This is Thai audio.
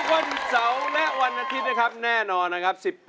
ทุกวันเสาร์และวันนาทิศนะครับแน่นอนครับ